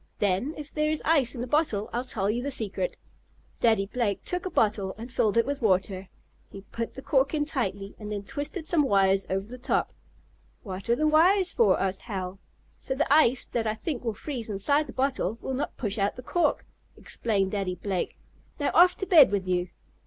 Then, if there is ice in the bottle, I'll tell you the secret." Daddy Blake took a bottle, and filled it with water. He put the cork in tightly, and then twisted some wires over the top. "What are the wires for?" asked Hal. "So the ice, that I think will freeze inside the bottle, will not push out the cork," explained Daddy Blake. "Now off to bed with you!"